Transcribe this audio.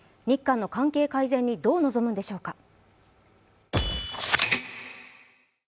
日韓の関係改善にどう臨むのでしょうか。